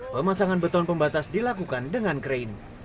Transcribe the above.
pemasangan beton pembatas dilakukan dengan krain